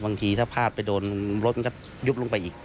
บางทีถ้าพลาดไปโดนรถก็ยุบลงไปอีก